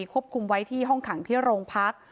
ควบคุมไว้ที่ห้องขังที่โรงพัก